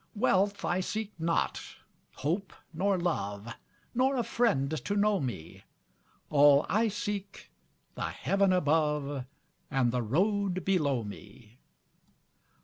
Wealth I seek not, hope nor love, Nor a friend to know me; All I seek, the heaven above And the road below me.